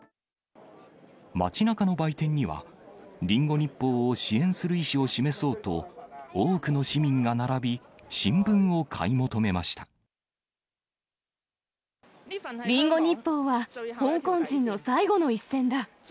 街なかの売店には、リンゴ日報を支援する意思を示そうと、多くの市民が並び、新聞をリンゴ日報は香港人の最後の一線だ。